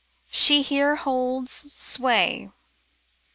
She here holds sway.